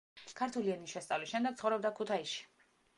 ქართული ენის შესწავლის შემდეგ ცხოვრობდა ქუთაისში.